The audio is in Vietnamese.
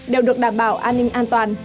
đều được đảm bảo an ninh an toàn